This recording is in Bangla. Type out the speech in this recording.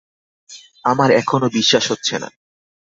আমার এখনো বিশ্বাস হচ্ছে না।